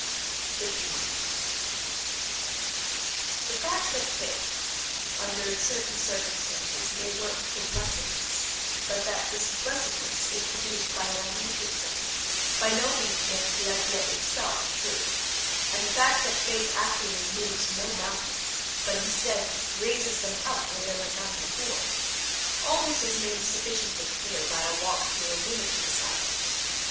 51. The fact that faith, under certain circumstances, may work for blessedness, but that this blessedness produced by an idée fixe by no means makes the idea itself true, and the fact that faith actually moves no mountains, but instead raises them up where there were none before: all this is made sufficiently clear by a walk through a lunatic asylum.